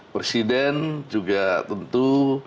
presiden juga tentu